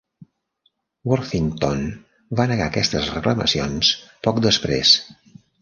Worthington va negar aquestes reclamacions poc després.